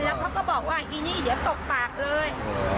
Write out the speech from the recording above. แล้วเขาก็บอกว่าอีนี่เดี๋ยวตบปากเลย